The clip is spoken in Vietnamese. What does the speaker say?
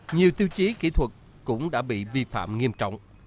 nhiều tiêu chí kỹ thuật cũng đã bị vi phạm nghiêm trọng